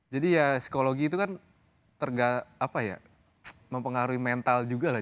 jadi ya psikologi itu kan tergala apa ya mempengaruhi mental juga lah